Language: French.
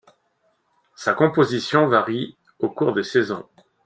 Sa composition varie au cours des saisons.